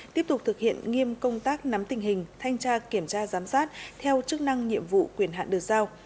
tiếp tục thực hiện nghiêm công tác nắm tình hình thanh tra kiểm tra giám sát theo chức năng nhiệm vụ quyền hạn được giao